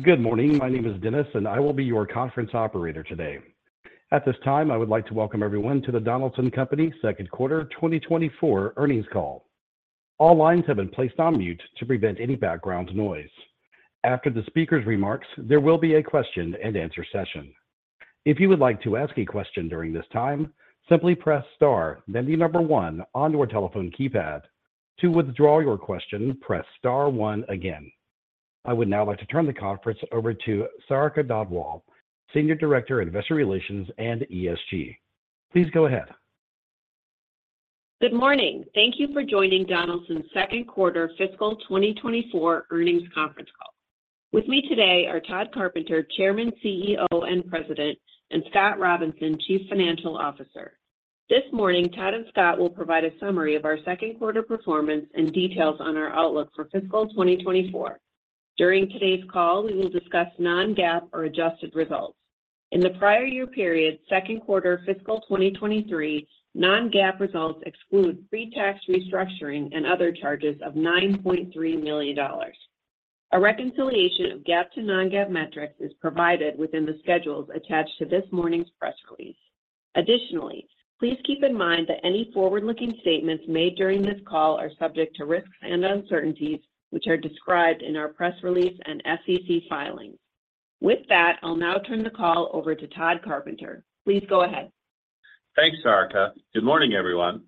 Good morning. My name is Dennis, and I will be your conference operator today. At this time, I would like to welcome everyone to the Donaldson Company second quarter 2024 earnings call. All lines have been placed on mute to prevent any background noise. After the speaker's remarks, there will be a question-and-answer session. If you would like to ask a question during this time, simply press star then the number one on your telephone keypad. To withdraw your question, press star one again. I would now like to turn the conference over to Sarika Dhadwal, Senior Director Investor Relations and ESG. Please go ahead. Good morning. Thank you for joining Donaldson's second quarter fiscal 2024 earnings conference call. With me today are Tod Carpenter, Chairman, CEO, and President, and Scott Robinson, Chief Financial Officer. This morning, Tod and Scott will provide a summary of our second quarter performance and details on our outlook for fiscal 2024. During today's call, we will discuss non-GAAP or adjusted results. In the prior-year period, second quarter fiscal 2023 non-GAAP results exclude pre-tax restructuring and other charges of $9.3 million. A reconciliation of GAAP to non-GAAP metrics is provided within the schedules attached to this morning's press release. Additionally, please keep in mind that any forward-looking statements made during this call are subject to risks and uncertainties which are described in our press release and SEC filings. With that, I'll now turn the call over to Tod Carpenter. Please go ahead. Thanks, Sarika. Good morning, everyone.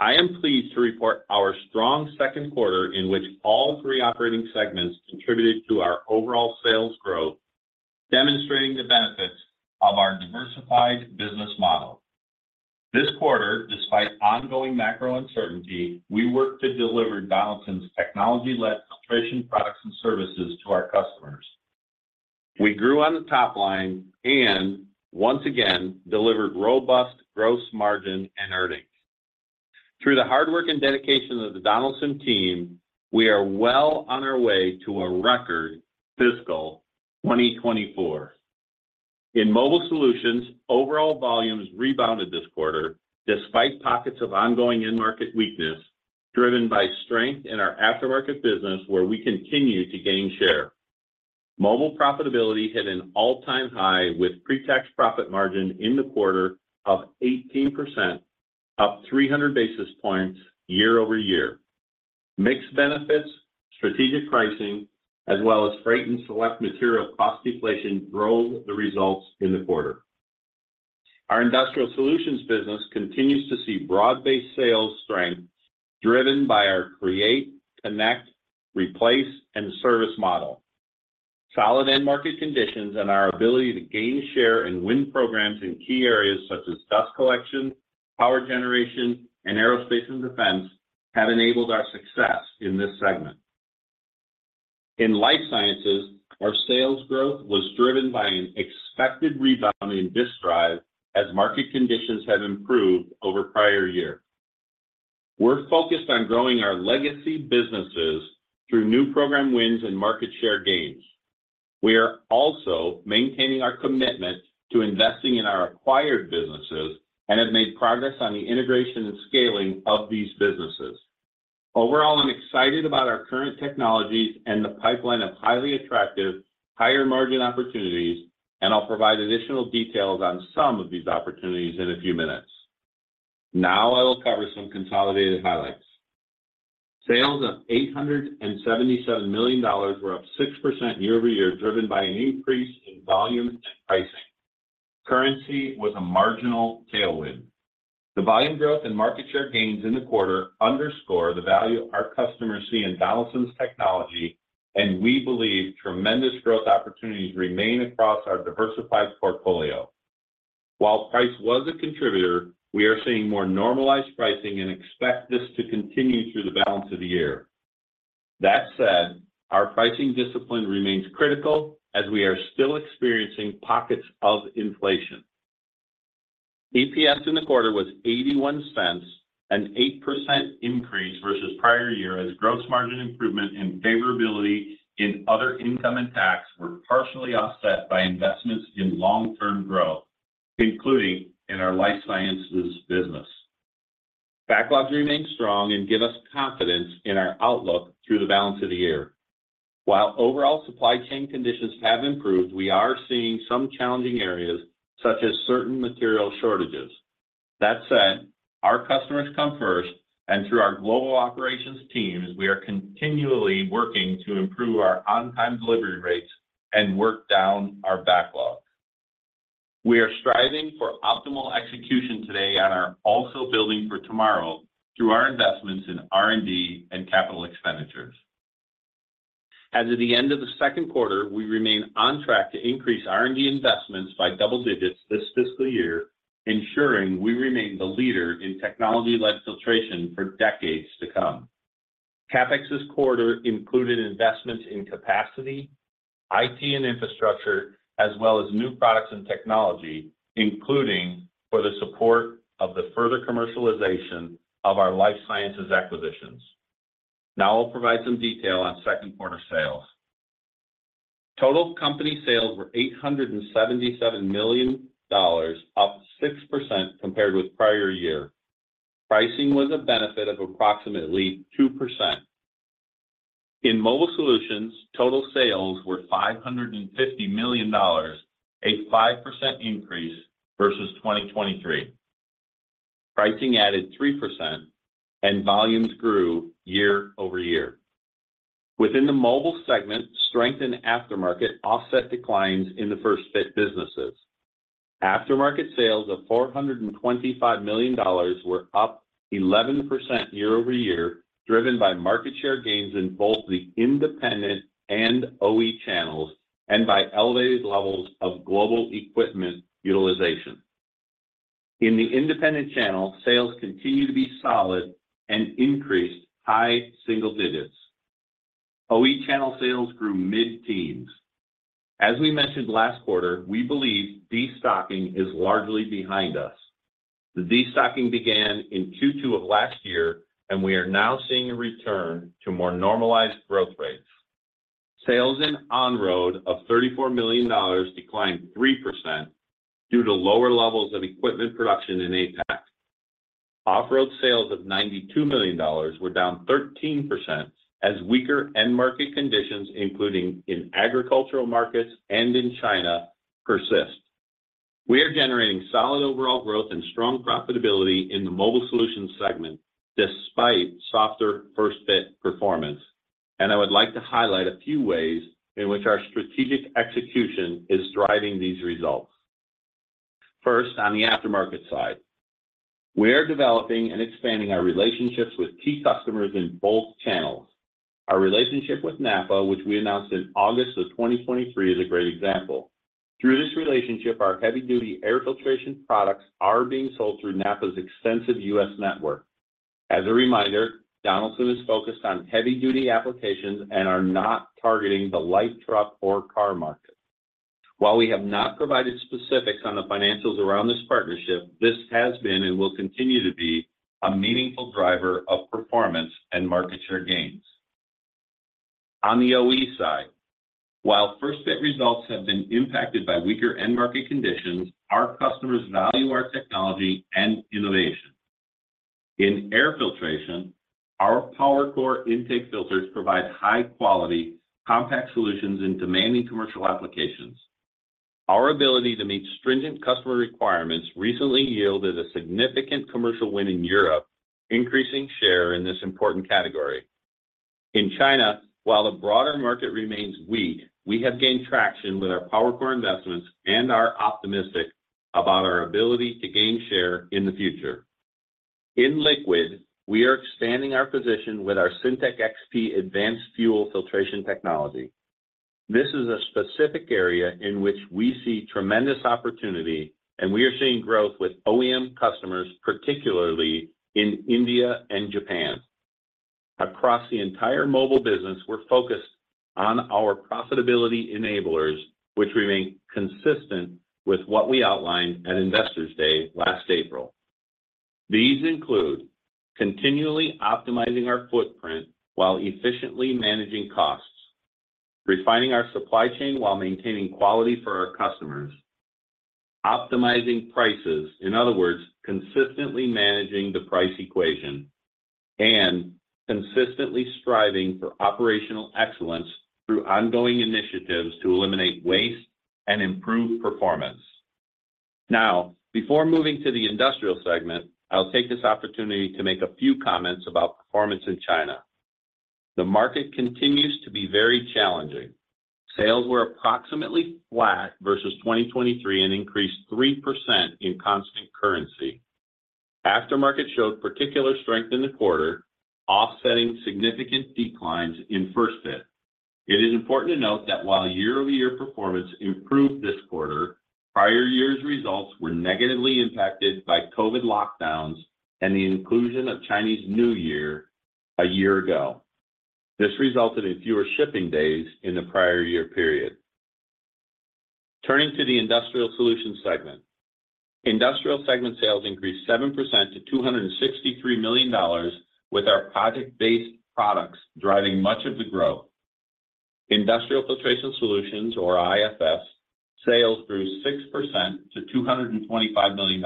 I am pleased to report our strong second quarter in which all three operating segments contributed to our overall sales growth, demonstrating the benefits of our diversified business model. This quarter, despite ongoing macro uncertainty, we worked to deliver Donaldson's technology-led filtration products and services to our customers. We grew on the top line and, once again, delivered robust gross margin and earnings. Through the hard work and dedication of the Donaldson team, we are well on our way to a record fiscal 2024. In mobile solutions, overall volumes rebounded this quarter despite pockets of ongoing in-market weakness driven by strength in our aftermarket business where we continue to gain share. Mobile profitability hit an all-time high with pre-tax profit margin in the quarter of 18%, up 300 basis points year-over-year. Mix benefits, strategic pricing, as well as freight and select material cost deflation drove the results in the quarter. Our industrial solutions business continues to see broad-based sales strength driven by our Create, Connect, Replace, and Service model. Solid in-market conditions and our ability to gain share and win programs in key areas such as dust collection, power generation, and Aerospace and Defense have enabled our success in this segment. In life sciences, our sales growth was driven by an expected rebound in Disk Drive, as market conditions have improved over prior years. We're focused on growing our legacy businesses through new program wins and market share gains. We are also maintaining our commitment to investing in our acquired businesses and have made progress on the integration and scaling of these businesses. Overall, I'm excited about our current technologies and the pipeline of highly attractive, higher margin opportunities, and I'll provide additional details on some of these opportunities in a few minutes. Now I will cover some consolidated highlights. Sales of $877 million were up 6% year-over-year driven by an increase in volume and pricing. Currency was a marginal tailwind. The volume growth and market share gains in the quarter underscore the value our customers see in Donaldson's technology, and we believe tremendous growth opportunities remain across our diversified portfolio. While price was a contributor, we are seeing more normalized pricing and expect this to continue through the balance of the year. That said, our pricing discipline remains critical as we are still experiencing pockets of inflation. EPS in the quarter was $0.81, an 8% increase versus prior year as gross margin improvement and favorability in other income and tax were partially offset by investments in long-term growth, including in our life sciences business. Backlogs remain strong and give us confidence in our outlook through the balance of the year. While overall supply chain conditions have improved, we are seeing some challenging areas such as certain material shortages. That said, our customers come first, and through our global operations teams, we are continually working to improve our on-time delivery rates and work down our backlog. We are striving for optimal execution today and are also building for tomorrow through our investments in R&D and capital expenditures. As of the end of the second quarter, we remain on track to increase R&D investments by double digits this fiscal year, ensuring we remain the leader in technology-led filtration for decades to come. CapEx this quarter included investments in capacity, IT and infrastructure, as well as new products and technology, including for the support of the further commercialization of our life sciences acquisitions. Now I'll provide some detail on second quarter sales. Total company sales were $877 million, up 6% compared with prior year. Pricing was a benefit of approximately 2%. In mobile solutions, total sales were $550 million, a 5% increase versus 2023. Pricing added 3%, and volumes grew year-over-year. Within the mobile segment, strength and aftermarket offset declines in the First Fit businesses. Aftermarket sales of $425 million were up 11% year-over-year driven by market share gains in both the independent and OE channels and by elevated levels of global equipment utilization. In the independent channel, sales continue to be solid and increased high single digits. OE channel sales grew mid-teens. As we mentioned last quarter, we believe destocking is largely behind us. The destocking began in Q2 of last year, and we are now seeing a return to more normalized growth rates. Sales in On-Road of $34 million declined 3% due to lower levels of equipment production in APAC. Off-Road sales of $92 million were down 13% as weaker end market conditions, including in agricultural markets and in China, persist. We are generating solid overall growth and strong profitability in the mobile solutions segment despite softer First Fit performance, and I would like to highlight a few ways in which our strategic execution is driving these results. First, on the Aftermarket side, we are developing and expanding our relationships with key customers in both channels. Our relationship with NAPA, which we announced in August of 2023, is a great example. Through this relationship, our heavy-duty air filtration products are being sold through NAPA's extensive U.S. network. As a reminder, Donaldson is focused on heavy-duty applications and are not targeting the light truck or car market. While we have not provided specifics on the financials around this partnership, this has been and will continue to be a meaningful driver of performance and market share gains. On the OE side, while First Fit results have been impacted by weaker end market conditions, our customers value our technology and innovation. In air filtration, our PowerCore intake filters provide high-quality, compact solutions in demanding commercial applications. Our ability to meet stringent customer requirements recently yielded a significant commercial win in Europe, increasing share in this important category. In China, while the broader market remains weak, we have gained traction with our PowerCore investments and are optimistic about our ability to gain share in the future. In liquid, we are expanding our position with our Synteq XP advanced fuel filtration technology. This is a specific area in which we see tremendous opportunity, and we are seeing growth with OEM customers, particularly in India and Japan. Across the entire mobile business, we're focused on our profitability enablers, which remain consistent with what we outlined at Investor Day last April. These include continually optimizing our footprint while efficiently managing costs, refining our supply chain while maintaining quality for our customers, optimizing prices, in other words, consistently managing the price equation, and consistently striving for operational excellence through ongoing initiatives to eliminate waste and improve performance. Now, before moving to the industrial segment, I'll take this opportunity to make a few comments about performance in China. The market continues to be very challenging. Sales were approximately flat versus 2023 and increased 3% in constant currency. Aftermarket showed particular strength in the quarter, offsetting significant declines in First Fit. It is important to note that while year-over-year performance improved this quarter, prior year's results were negatively impacted by COVID lockdowns and the inclusion of Chinese New Year a year ago. This resulted in fewer shipping days in the prior-year period. Turning to the industrial solutions segment, industrial segment sales increased 7% to $263 million, with our project-based products driving much of the growth. Industrial Filtration Solutions, or IFS, sales grew 6% to $225 million.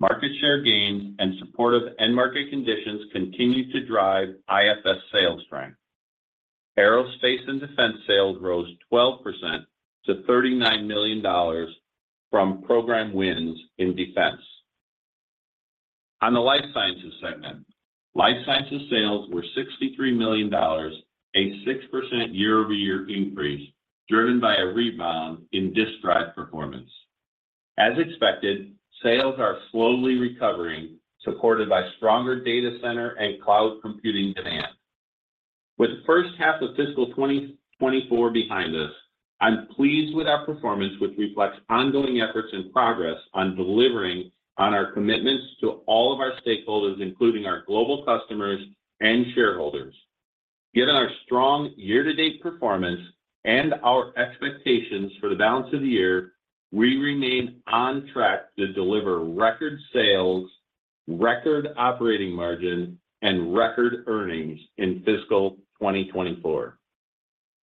Market share gains and supportive end market conditions continue to drive IFS sales strength. Aerospace and Defense sales rose 12% to $39 million from program wins in defense. On the life sciences segment, life sciences sales were $63 million, a 6% year-over-year increase driven by a rebound in Disk Drive performance. As expected, sales are slowly recovering, supported by stronger data center and cloud computing demand. With the first half of fiscal 2024 behind us, I'm pleased with our performance, which reflects ongoing efforts and progress on delivering on our commitments to all of our stakeholders, including our global customers and shareholders. Given our strong year-to-date performance and our expectations for the balance of the year, we remain on track to deliver record sales, record operating margin, and record earnings in fiscal 2024.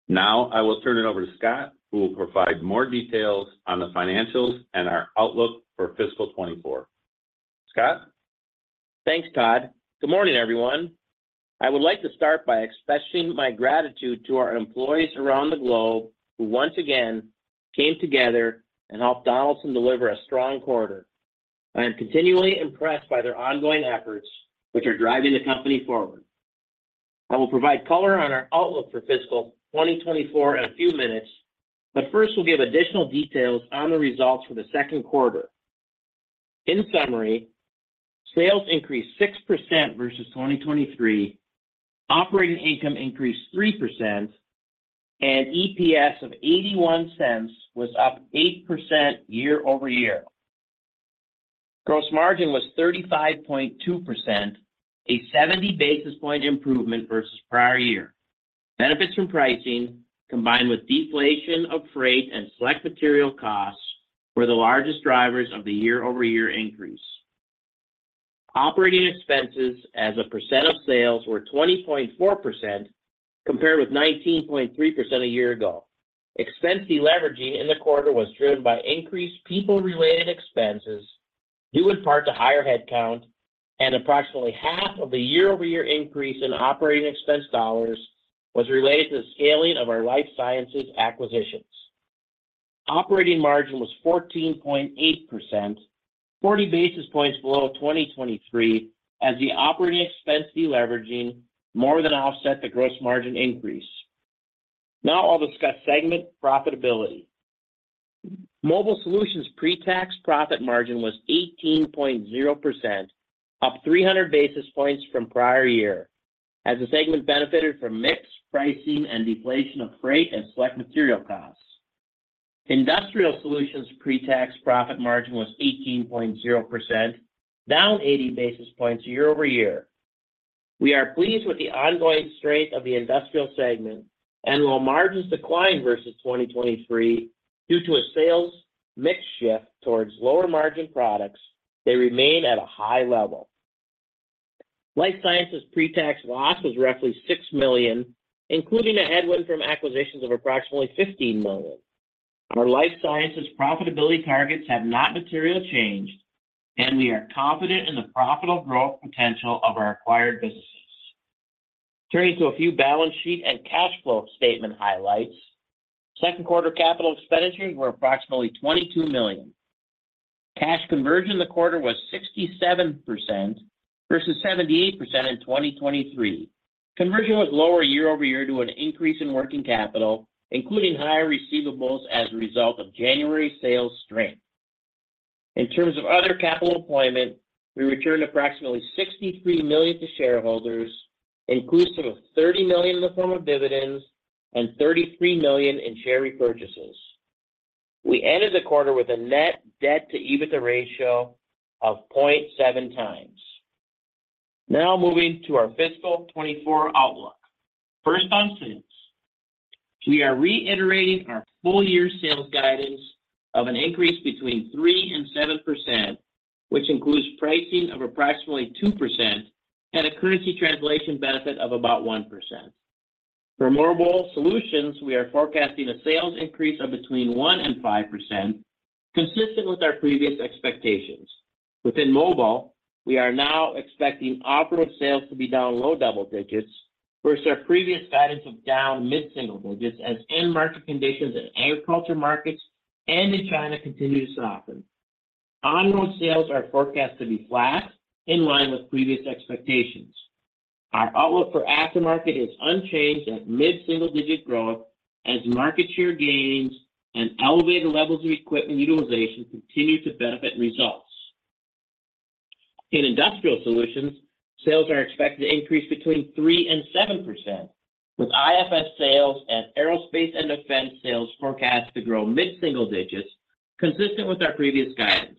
Now I will turn it over to Scott, who will provide more details on the financials and our outlook for fiscal 2024. Scott? Thanks, Tod. Good morning, everyone. I would like to start by expressing my gratitude to our employees around the globe who, once again, came together and helped Donaldson deliver a strong quarter. I am continually impressed by their ongoing efforts, which are driving the company forward. I will provide color on our outlook for fiscal 2024 in a few minutes, but first we'll give additional details on the results for the second quarter. In summary, sales increased 6% versus 2023, operating income increased 3%, and EPS of $0.81 was up 8% year-over-year. Gross margin was 35.2%, a 70 basis point improvement versus prior year. Benefits from pricing, combined with deflation of freight and select material costs, were the largest drivers of the year-over-year increase. Operating expenses, as a percent of sales, were 20.4% compared with 19.3% a year ago. Expense deleveraging in the quarter was driven by increased people-related expenses, due in part to higher headcount, and approximately half of the year-over-year increase in operating expense dollars was related to the scaling of our life sciences acquisitions. Operating margin was 14.8%, 40 basis points below 2023, as the operating expense deleveraging more than offset the gross margin increase. Now I'll discuss segment profitability. Mobile Solutions' pre-tax profit margin was 18.0%, up 300 basis points from prior year, as the segment benefited from mix pricing and deflation of freight and select material costs. Industrial Solutions' pre-tax profit margin was 18.0%, down 80 basis points year-over-year. We are pleased with the ongoing strength of the industrial segment, and while margins declined versus 2023 due to a sales mix shift towards lower margin products, they remain at a high level. Life Sciences' pre-tax loss was roughly $6 million, including a headwind from acquisitions of approximately $15 million. Our Life Sciences profitability targets have not materially changed, and we are confident in the profitable growth potential of our acquired businesses. Turning to a few balance sheet and cash flow statement highlights, second quarter capital expenditures were approximately $22 million. Cash conversion the quarter was 67% versus 78% in 2023. Conversion was lower year-over-year due to an increase in working capital, including higher receivables as a result of January sales strength. In terms of other capital employment, we returned approximately $63 million to shareholders, inclusive of $30 million in the form of dividends and $33 million in share repurchases. We ended the quarter with a net debt-to-EBITDA ratio of 0.7 times. Now moving to our fiscal 2024 outlook. First on sales, we are reiterating our full-year sales guidance of an increase between 3% and 7%, which includes pricing of approximately 2% and a currency translation benefit of about 1%. For mobile solutions, we are forecasting a sales increase of between 1% and 5%, consistent with our previous expectations. Within mobile, we are now expecting Off-Road sales to be down low double digits versus our previous guidance of down mid-single digits, as end market conditions in agriculture markets and in China continue to soften. On-Road sales are forecast to be flat, in line with previous expectations. Our outlook for aftermarket is unchanged at mid-single digit growth, as market share gains and elevated levels of equipment utilization continue to benefit results. In industrial solutions, sales are expected to increase between 3%-7%, with IFS sales and Aerospace and Defense sales forecast to grow mid-single digits, consistent with our previous guidance.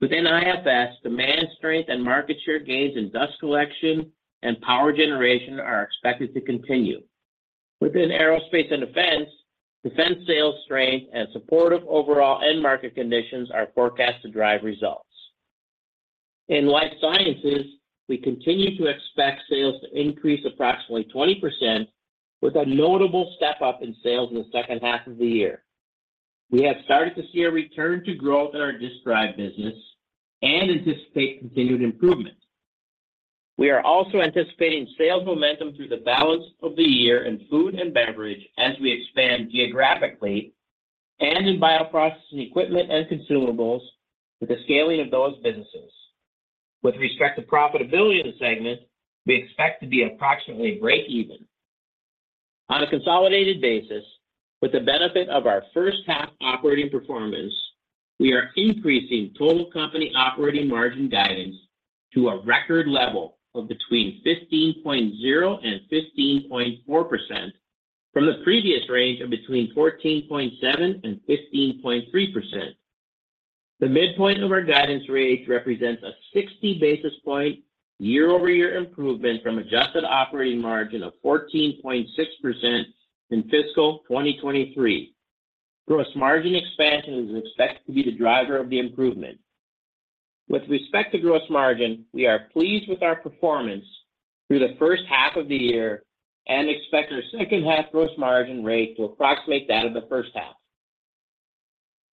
Within IFS, demand strength and market share gains in dust collection and power generation are expected to continue. Within Aerospace and Defense, defense sales strength and supportive overall end market conditions are forecast to drive results. In life sciences, we continue to expect sales to increase approximately 20%, with a notable step up in sales in the second half of the year. We have started to see a return to growth in our Disk Drive business and anticipate continued improvement. We are also anticipating sales momentum through the balance of the year in Food and Beverage as we expand geographically and in bioprocessing equipment and consumables with the scaling of those businesses. With respect to profitability in the segment, we expect to be approximately break-even. On a consolidated basis, with the benefit of our first half operating performance, we are increasing total company operating margin guidance to a record level of between 15.0% and 15.4% from the previous range of between 14.7% and 15.3%. The midpoint of our guidance range represents a 60 basis point year-over-year improvement from adjusted operating margin of 14.6% in fiscal 2023. Gross margin expansion is expected to be the driver of the improvement. With respect to gross margin, we are pleased with our performance through the first half of the year and expect our second half gross margin rate to approximate that of the first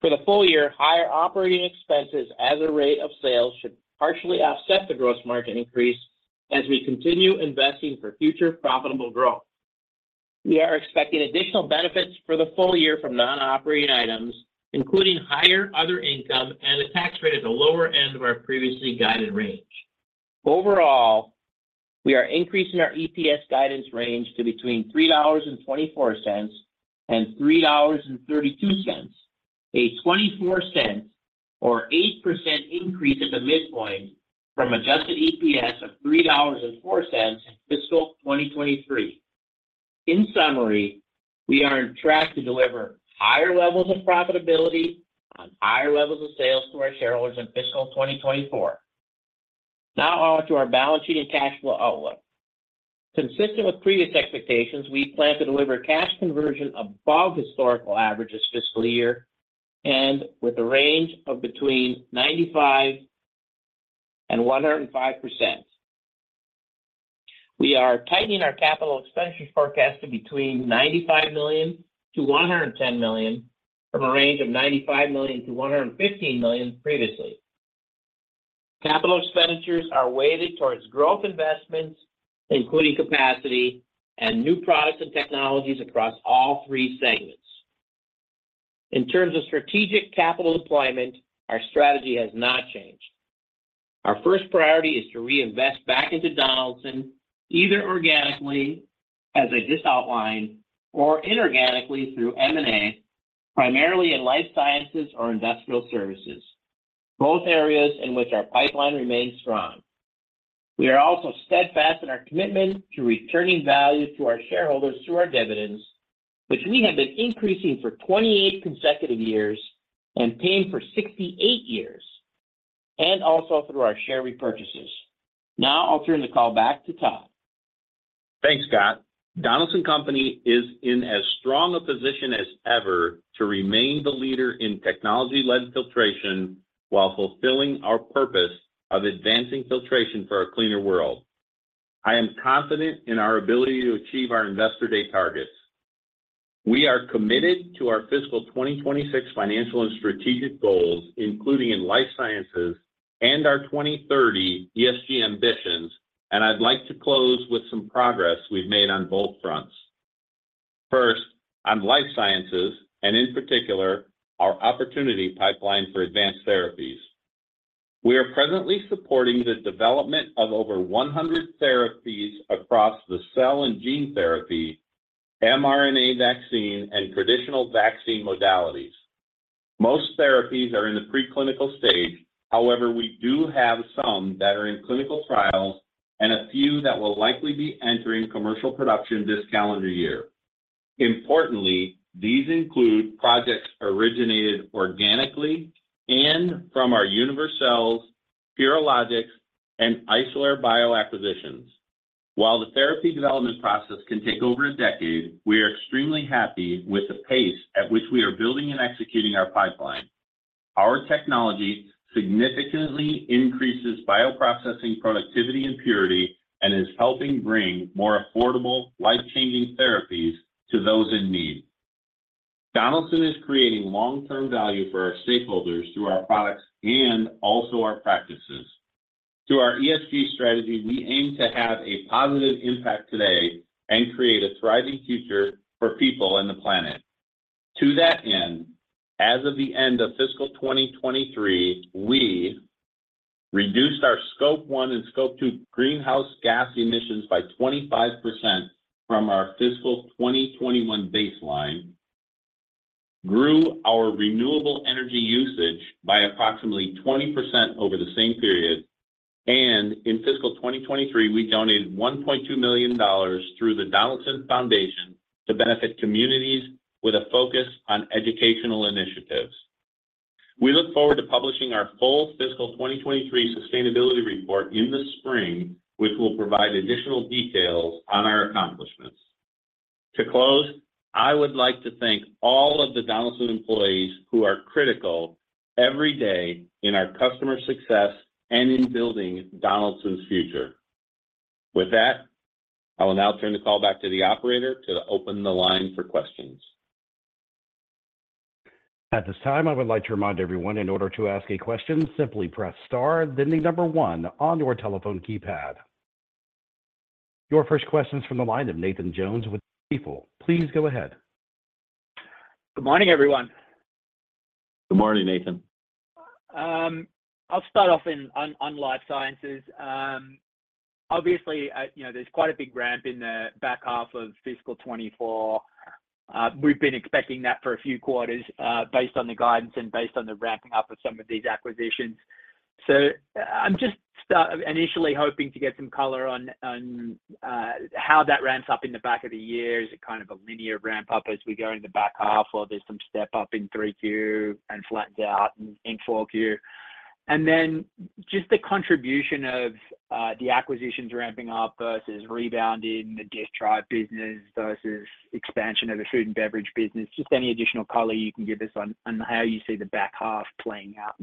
half. For the full year, higher operating expenses as a rate of sales should partially offset the gross margin increase as we continue investing for future profitable growth. We are expecting additional benefits for the full year from non-operating items, including higher other income and a tax rate at the lower end of our previously guided range. Overall, we are increasing our EPS guidance range to between $3.24-$3.32, a $0.24 or 8% increase at the midpoint from adjusted EPS of $3.04 in fiscal 2023. In summary, we are on track to deliver higher levels of profitability on higher levels of sales to our shareholders in fiscal 2024. Now I'll move to our balance sheet and cash flow outlook. Consistent with previous expectations, we plan to deliver cash conversion above historical averages fiscal year and with a range of between 95%-105%. We are tightening our capital expenditures forecast to between $95 million-$110 million from a range of $95 million-$115 million previously. Capital expenditures are weighted towards growth investments, including capacity and new products and technologies across all three segments. In terms of strategic capital deployment, our strategy has not changed. Our first priority is to reinvest back into Donaldson, either organically, as I just outlined, or inorganically through M&A, primarily in life sciences or industrial services, both areas in which our pipeline remains strong. We are also steadfast in our commitment to returning value to our shareholders through our dividends, which we have been increasing for 28 consecutive years and paying for 68 years, and also through our share repurchases. Now I'll turn the call back to Tod. Thanks, Scott. Donaldson Company is in as strong a position as ever to remain the leader in technology-led filtration while fulfilling our purpose of advancing filtration for a cleaner world. I am confident in our ability to achieve our investor day targets. We are committed to our fiscal 2026 financial and strategic goals, including in life sciences and our 2030 ESG ambitions, and I'd like to close with some progress we've made on both fronts. First, on life sciences and in particular, our opportunity pipeline for advanced therapies. We are presently supporting the development of over 100 therapies across the cell and gene therapy, mRNA vaccine, and traditional vaccine modalities. Most therapies are in the preclinical stage. However, we do have some that are in clinical trials and a few that will likely be entering commercial production this calendar year. Importantly, these include projects originated organically and from our life sciences, Purilogics, and Isolere Bio acquisitions. While the therapy development process can take over a decade, we are extremely happy with the pace at which we are building and executing our pipeline. Our technology significantly increases bioprocessing productivity and purity and is helping bring more affordable, life-changing therapies to those in need. Donaldson is creating long-term value for our stakeholders through our products and also our practices. Through our ESG strategy, we aim to have a positive impact today and create a thriving future for people and the planet. To that end, as of the end of fiscal 2023, we reduced our Scope 1 and Scope 2 greenhouse gas emissions by 25% from our fiscal 2021 baseline, grew our renewable energy usage by approximately 20% over the same period, and in fiscal 2023, we donated $1.2 million through the Donaldson Foundation to benefit communities with a focus on educational initiatives. We look forward to publishing our full fiscal 2023 sustainability report in the spring, which will provide additional details on our accomplishments. To close, I would like to thank all of the Donaldson employees who are critical every day in our customer success and in building Donaldson's future. With that, I will now turn the call back to the operator to open the line for questions. At this time, I would like to remind everyone, in order to ask a question, simply press star, then one on your telephone keypad. Your first question is from the line of Nathan Jones with Stifel. Please go ahead. Good morning, everyone. Good morning, Nathan. I'll start off on life sciences. Obviously, there's quite a big ramp in the back half of fiscal 2024. We've been expecting that for a few quarters based on the guidance and based on the ramping up of some of these acquisitions. So I'm just initially hoping to get some color on how that ramps up in the back of the year. Is it kind of a linear ramp up as we go in the back half, or there's some step up in 3Q and flattens out in 4Q? And then just the contribution of the acquisitions ramping up versus rebounding the Disk Drive business versus expansion of the Food and Beverage business, just any additional color you can give us on how you see the back half playing out.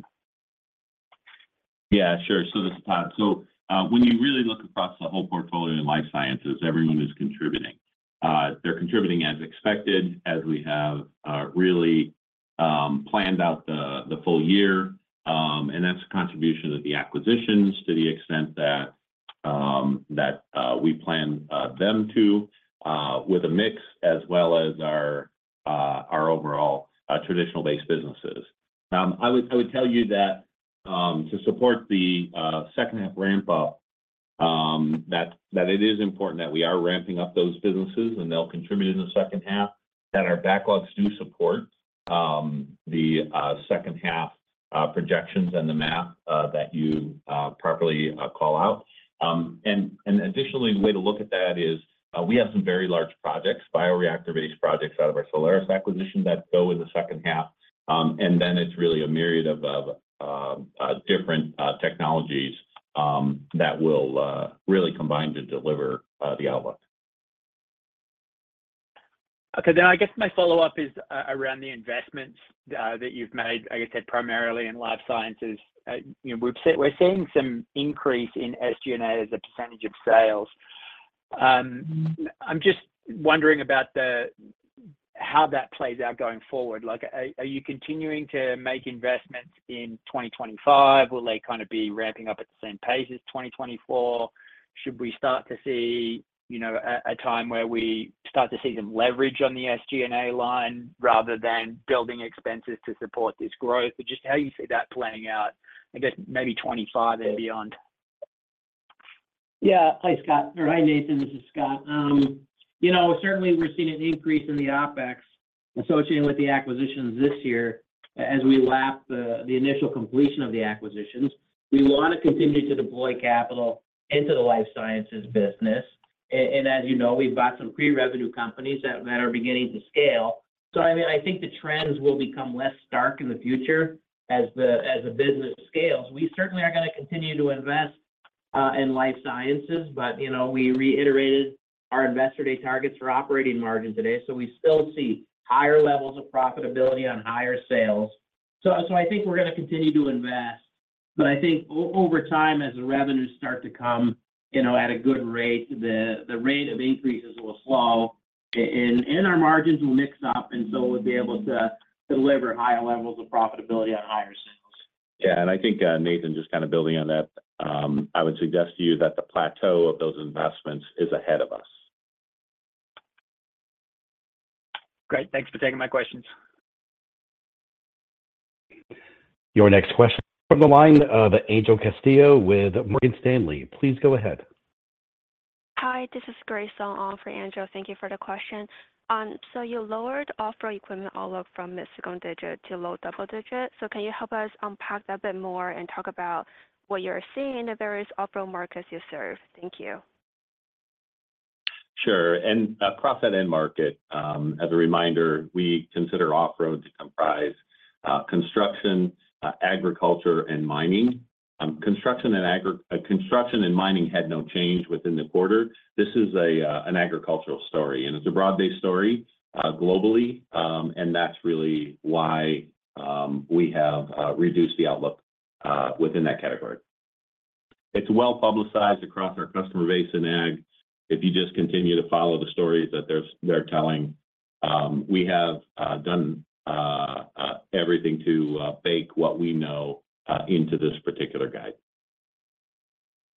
Yeah, sure. So when you really look across the whole portfolio in life sciences, everyone is contributing. They're contributing as expected, as we have really planned out the full year. And that's a contribution of the acquisitions to the extent that we plan them to, with a mix as well as our overall traditional-based businesses. Now, I would tell you that to support the second half ramp up, that it is important that we are ramping up those businesses and they'll contribute in the second half, that our backlogs do support the second half projections and the math that you properly call out. And additionally, the way to look at that is we have some very large projects, bioreactor-based projects out of our Solaris acquisition that go in the second half, and then it's really a myriad of different technologies that will really combine to deliver the outlook. Okay. Then I guess my follow-up is around the investments that you've made, I guess, primarily in life sciences. We're seeing some increase in SG&A as a percentage of sales. I'm just wondering about how that plays out going forward. Are you continuing to make investments in 2025? Will they kind of be ramping up at the same pace as 2024? Should we start to see a time where we start to see some leverage on the SG&A line rather than building expenses to support this growth? Just how you see that playing out, I guess, maybe 2025 and beyond. Yeah, hi, Scott. All right, Nathan. This is Scott. Certainly, we're seeing an increase in the OpEx associated with the acquisitions this year as we lap the initial completion of the acquisitions. We want to continue to deploy capital into the life sciences business. And as you know, we've got some pre-revenue companies that are beginning to scale. So I mean, I think the trends will become less stark in the future as the business scales. We certainly are going to continue to invest in life sciences, but we reiterated our investor day targets for operating margin today. So we still see higher levels of profitability on higher sales. So I think we're going to continue to invest. But I think over time, as the revenues start to come at a good rate, the rate of increases will slow and our margins will mix up, and so we'll be able to deliver higher levels of profitability on higher sales. Yeah. And I think, Nathan, just kind of building on that, I would suggest to you that the plateau of those investments is ahead of us. Great. Thanks for taking my questions. Your next question from the line of Angel Castillo with Morgan Stanley. Please go ahead. Hi, this is Grace on for Angel. Thank you for the question. So you lowered Off-Road equipment outlook from mid-single digit to low double digit. Can you help us unpack that a bit more and talk about what you're seeing in the various Off-Road markets you serve? Thank you. Sure. And across that end market, as a reminder, we consider Off-Road to comprise construction, agriculture, and mining. Construction and mining had no change within the quarter. This is an agricultural story, and it's a broad-based story globally, and that's really why we have reduced the outlook within that category. It's well publicized across our customer base in ag. If you just continue to follow the stories that they're telling, we have done everything to bake what we know into this particular guide.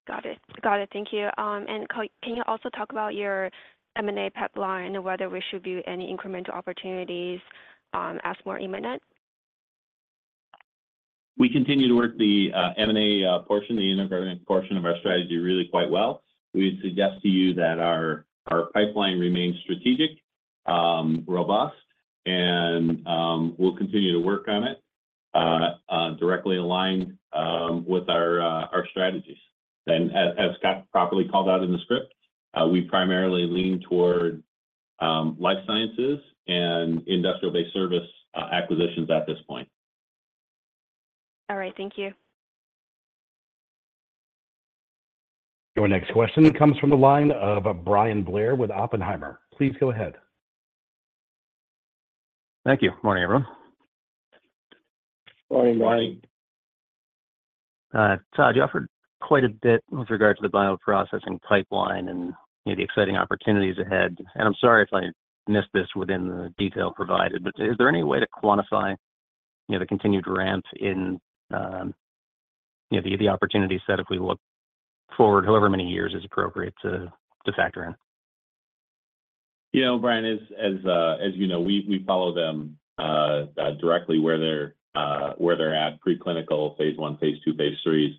Got it. Got it. Thank you. And can you also talk about your M&A pipeline and whether we should view any incremental opportunities as more imminent? We continue to work the M&A portion, the innovative portion of our strategy, really quite well. We suggest to you that our pipeline remains strategic, robust, and we'll continue to work on it directly aligned with our strategies. As Scott properly called out in the script, we primarily lean toward life sciences and industrial-based service acquisitions at this point. All right. Thank you. Your next question comes from the line of Bryan Blair with Oppenheimer. Please go ahead. Thank you. Morning, everyone. Morning, Bryan. Morning. Tod, you offered quite a bit with regard to the bioprocessing pipeline and the exciting opportunities ahead. I'm sorry if I missed this within the detail provided, but is there any way to quantify the continued ramp in the opportunity set if we look forward however many years is appropriate to factor in? Yeah, Bryan, as you know, we follow them directly where they're at, preclinical, phase one, phase two, phase threes.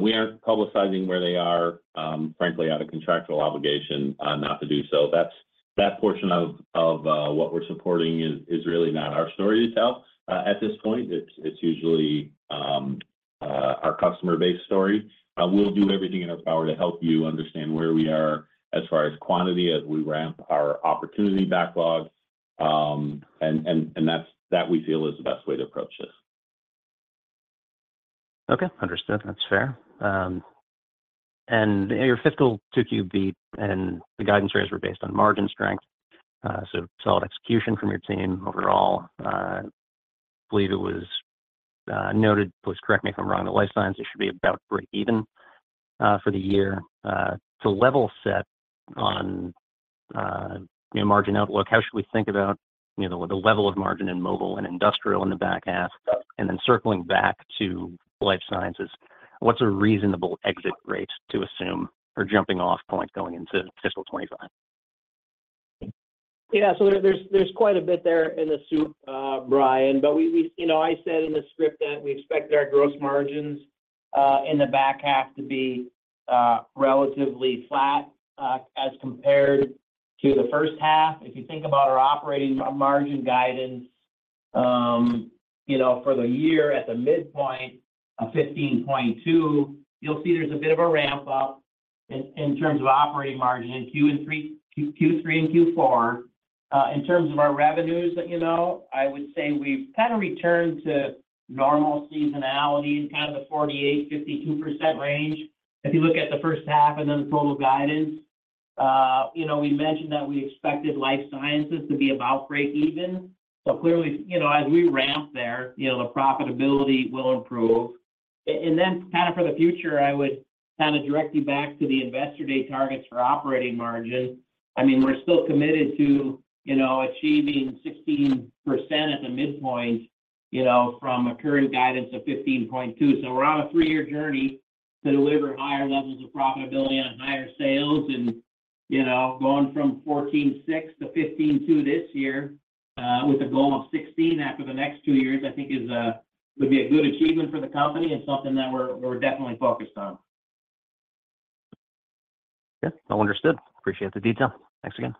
We aren't publicizing where they are, frankly, out of contractual obligation not to do so. That portion of what we're supporting is really not our story to tell at this point. It's usually our customer-based story. We'll do everything in our power to help you understand where we are as far as quantity as we ramp our opportunity backlog. That we feel is the best way to approach this. Okay. Understood. That's fair. And your fiscal Q4 beat, and the guidance raised were based on margin strength, so solid execution from your team overall. I believe it was noted—please correct me if I'm wrong—the life sciences, it should be about break-even for the year. To level set on margin outlook, how should we think about the level of margin in mobile and industrial in the back half? And then circling back to life sciences, what's a reasonable exit rate to assume for jumping-off point going into fiscal 2025? Yeah. So there's quite a bit there in the soup, Bryan. But I said in the script that we expected our gross margins in the back half to be relatively flat as compared to the first half. If you think about our operating margin guidance for the year at the midpoint of 15.2, you'll see there's a bit of a ramp-up in terms of operating margin in Q3 and Q4. In terms of our revenues, I would say we've kind of returned to normal seasonality and kind of the 48%-52% range if you look at the first half and then the total guidance. We mentioned that we expected life sciences to be about break-even. So clearly, as we ramp there, the profitability will improve. And then kind of for the future, I would kind of direct you back to the investor day targets for operating margin. I mean, we're still committed to achieving 16% at the midpoint from a current guidance of 15.2. We're on a three years journey to deliver higher levels of profitability on higher sales and going from 14.6 to 15.2 this year with a goal of 16 after the next two years, I think, would be a good achievement for the company and something that we're definitely focused on. Yep. All understood. Appreciate the detail. Thanks again.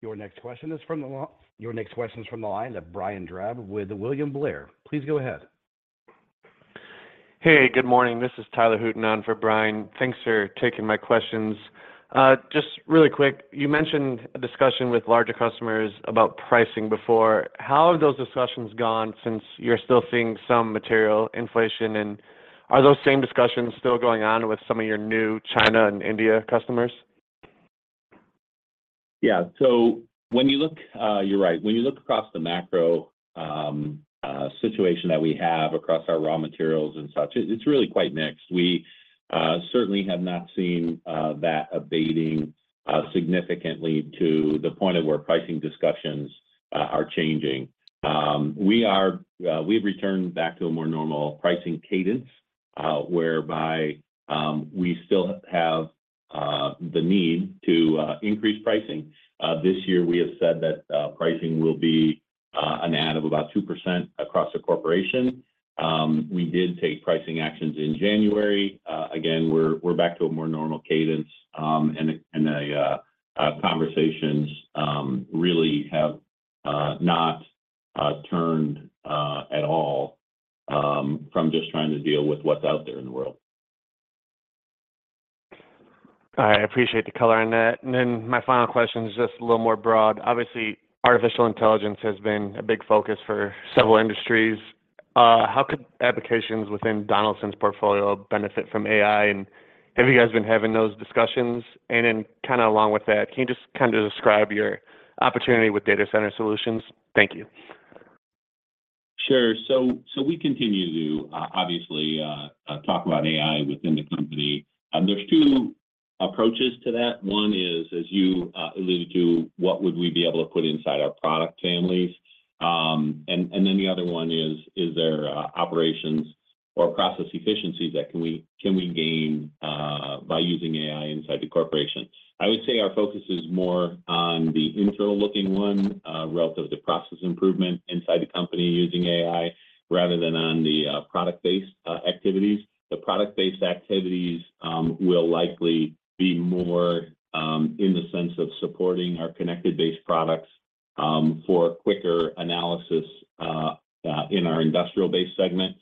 Your next question is from the line of Brian Drab with William Blair. Please go ahead. Hey, good morning. This is Tyler Hutin on for Brian. Thanks for taking my questions. Just really quick, you mentioned a discussion with larger customers about pricing before. How have those discussions gone since you're still seeing some material inflation? And are those same discussions still going on with some of your new China and India customers? Yeah. So when you look, you're right, when you look across the macro situation that we have across our raw materials and such, it's really quite mixed. We certainly have not seen that abating significantly to the point of where pricing discussions are changing. We have returned back to a more normal pricing cadence whereby we still have the need to increase pricing. This year, we have said that pricing will be an add of about 2% across the corporation. We did take pricing actions in January. Again, we're back to a more normal cadence, and the conversations really have not turned at all from just trying to deal with what's out there in the world. I appreciate the color on that. And then my final question is just a little more broad. Obviously, artificial intelligence has been a big focus for several industries. How could applications within Donaldson's portfolio benefit from AI? And have you guys been having those discussions? And then kind of along with that, can you just kind of describe your opportunity with data center solutions? Thank you. Sure. So we continue to, obviously, talk about AI within the company. There's two approaches to that. One is, as you alluded to, what would we be able to put inside our product families? And then the other one is, is there operations or process efficiencies that can we gain by using AI inside the corporation? I would say our focus is more on the internal-looking one relative to process improvement inside the company using AI rather than on the product-based activities. The product-based activities will likely be more in the sense of supporting our connected-based products for quicker analysis in our industrial-based segment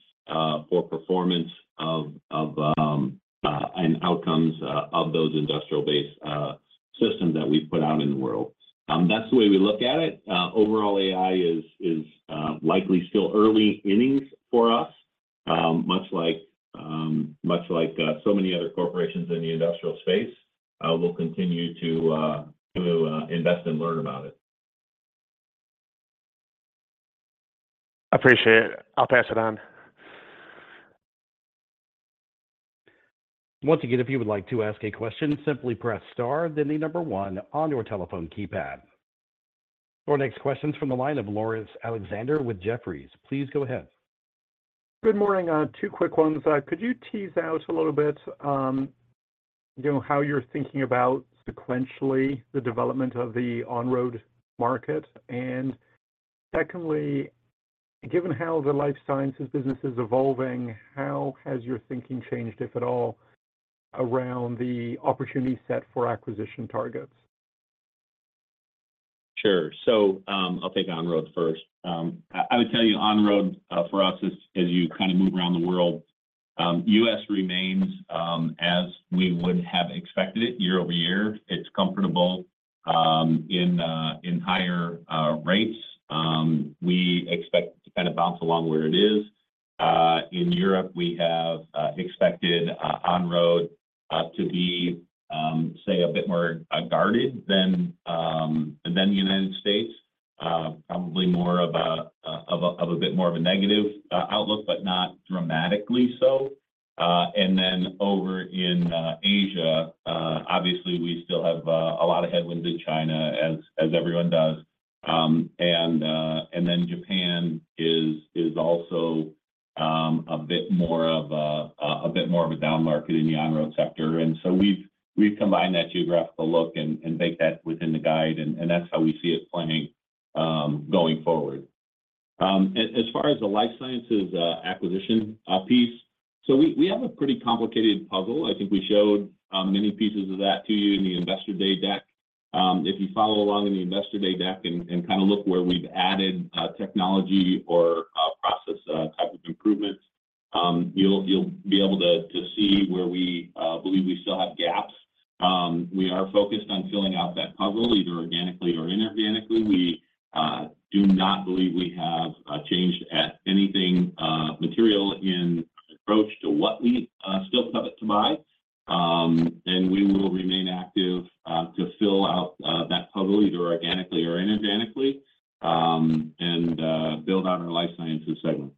for performance and outcomes of those industrial-based systems that we put out in the world. That's the way we look at it. Overall, AI is likely still early innings for us, much like so many other corporations in the industrial space. We'll continue to invest and learn about it. I appreciate it. I'll pass it on. Once again, if you would like to ask a question, simply press star then the number one on your telephone keypad. Your next question is from the line of Laurence Alexander with Jefferies. Please go ahead. Good morning. Two quick ones. Could you tease out a little bit how you're thinking about sequentially the development of the On-Road market? And secondly, given how the life sciences business is evolving, how has your thinking changed, if at all, around the opportunity set for acquisition targets? Sure. So I'll take On-Road first. I would tell you On-Road for us, as you kind of move around the world, U.S. remains as we would have expected it year-over-year. It's comfortable in higher rates. We expect to kind of bounce along where it is. In Europe, we have expected On-Road to be, say, a bit more guarded than the United States, probably more of a bit more of a negative outlook, but not dramatically so. And then over in Asia, obviously, we still have a lot of headwinds in China as everyone does. And then Japan is also a bit more of a bit more of a down market in the On-Road sector. And so we've combined that geographical look and baked that within the guide, and that's how we see it playing going forward. As far as the life sciences acquisition piece, so we have a pretty complicated puzzle. I think we showed many pieces of that to you in the investor day deck. If you follow along in the investor day deck and kind of look where we've added technology or process type of improvements, you'll be able to see where we believe we still have gaps. We are focused on filling out that puzzle either organically or inorganically. We do not believe we have changed anything material in our approach to what we still covet to buy. We will remain active to fill out that puzzle either organically or inorganically and build out our life sciences segment.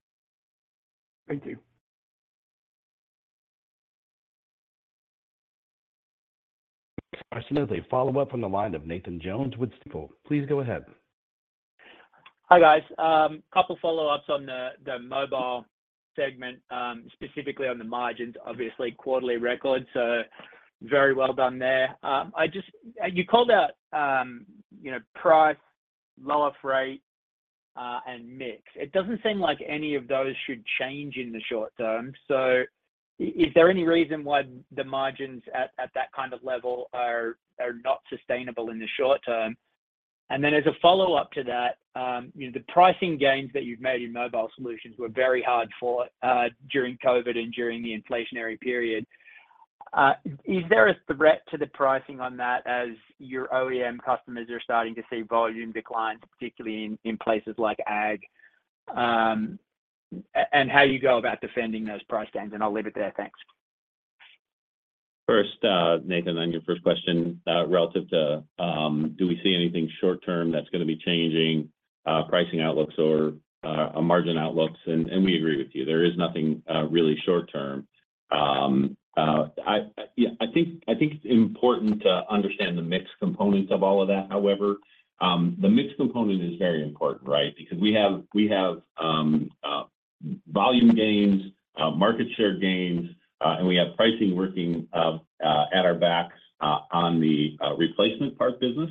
Thank you. Absolutely. Follow-up from the line of Nathan Jones with Stifel. Please go ahead. Hi, guys. Couple of follow-ups on the mobile segment, specifically on the margins, obviously, quarterly records. So very well done there. You called out price, lower freight, and mix. It doesn't seem like any of those should change in the short term. So is there any reason why the margins at that kind of level are not sustainable in the short term? And then as a follow-up to that, the pricing gains that you've made in mobile solutions were very hard fought during COVID and during the inflationary period. Is there a threat to the pricing on that as your OEM customers are starting to see volume declines, particularly in places like ag? And how do you go about defending those price gains? And I'll leave it there. Thanks. First, Nathan, on your first question relative to do we see anything short-term that's going to be changing pricing outlooks or margin outlooks? We agree with you. There is nothing really short-term. I think it's important to understand the mixed component of all of that. However, the mixed component is very important, right? Because we have volume gains, market share gains, and we have pricing working at our backs on the replacement part business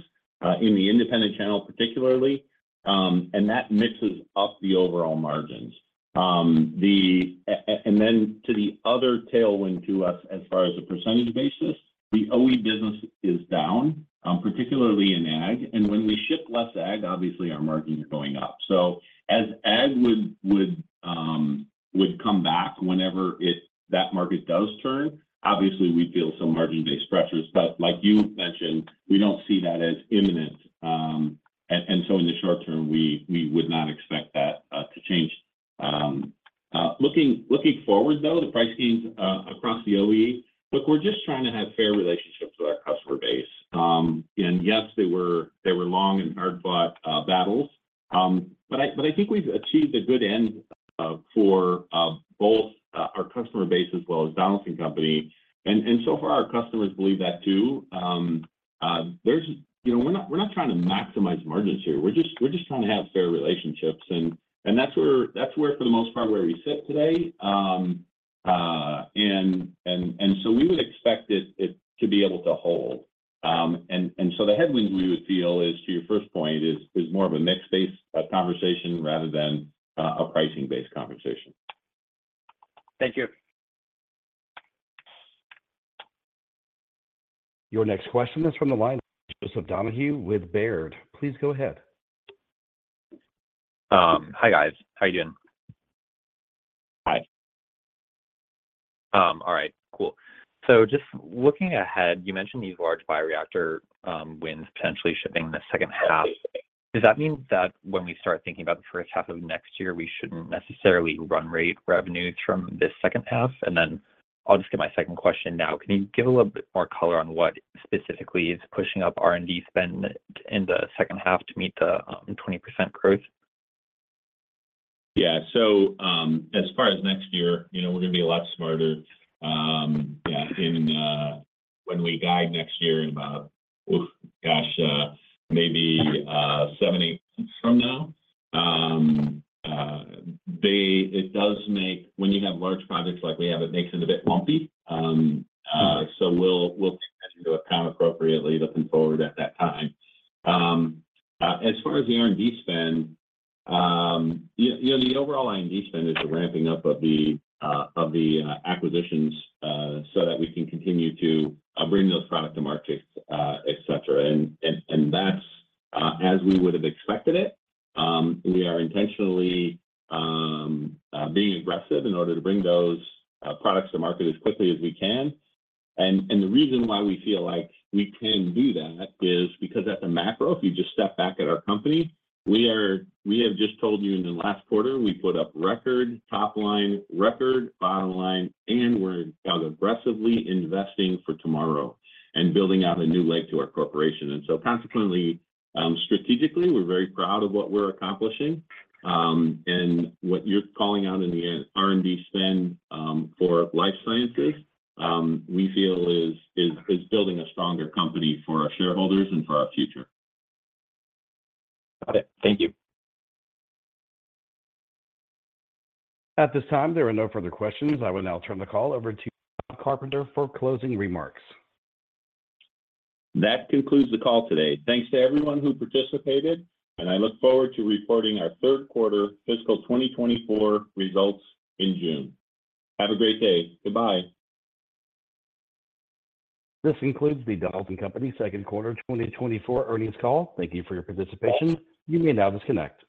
in the independent channel, particularly. That mixes up the overall margins. Then to the other tailwind to us as far as a percentage basis, the OE business is down, particularly in ag. When we ship less ag, obviously, our margins are going up. As ag would come back whenever that market does turn, obviously, we feel some margin-based pressures. Like you mentioned, we don't see that as imminent. In the short term, we would not expect that to change. Looking forward, though, the price gains across the OEM, look, we're just trying to have fair relationships with our customer base. Yes, they were long and hard-fought battles. But I think we've achieved a good end for both our customer base as well as Donaldson Company. So far, our customers believe that too. We're not trying to maximize margins here. We're just trying to have fair relationships. And that's where, for the most part, where we sit today. So we would expect it to be able to hold. The headwinds we would feel is, to your first point, is more of a mix-based conversation rather than a pricing-based conversation. Thank you. Your next question is from the line of Joseph Donahue with Baird. Please go ahead. Hi, guys. How are you doing? Hi. All right. Cool. So just looking ahead, you mentioned these large bioreactor wins potentially shipping the second half. Does that mean that when we start thinking about the first half of next year, we shouldn't necessarily run rate revenues from this second half? And then I'll just get my second question now. Can you give a little bit more color on what specifically is pushing up R&D spend in the second half to meet the 20% growth? Yeah. So as far as next year, we're going to be a lot smarter. Yeah. When we guide next year in about, oof, gosh, maybe seven, eight months from now, it does make, when you have large projects like we have, it makes it a bit lumpy. So we'll take that into account appropriately looking forward at that time. As far as the R&D spend, the overall R&D spend is the ramping up of the acquisitions so that we can continue to bring those products to market, etc. And that's as we would have expected it. We are intentionally being aggressive in order to bring those products to market as quickly as we can. The reason why we feel like we can do that is because at the macro, if you just step back at our company, we have just told you in the last quarter, we put up record top line, record bottom line, and we're now aggressively investing for tomorrow and building out a new leg to our corporation. So consequently, strategically, we're very proud of what we're accomplishing. What you're calling out in the R&D spend for life sciences, we feel is building a stronger company for our shareholders and for our future. Got it. Thank you. At this time, there are no further questions. I will now turn the call over to Tod Carpenter for closing remarks. That concludes the call today. Thanks to everyone who participated. I look forward to reporting our third quarter fiscal 2024 results in June. Have a great day. Goodbye. This concludes the Donaldson Company second quarter 2024 earnings call. Thank you for your participation. You may now disconnect.